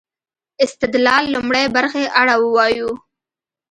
استدلال لومړۍ برخې اړه ووايو.